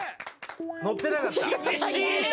乗ってなかった？